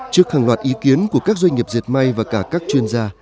trước hàng loạt ý kiến của các doanh nghiệp diệt may và cả các chuyên gia